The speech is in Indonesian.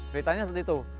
ceritanya seperti itu